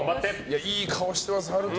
いい顔してます、陽斗。